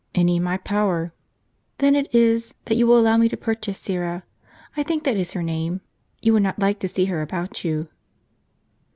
" 'Any in my power." " Then it is, that you will allow me to purchase Syra — I think that is her name. You will not like to see her about you."